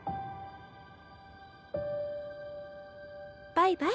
バイバイ。